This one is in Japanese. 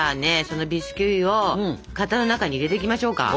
そのビスキュイを型の中に入れていきましょうか。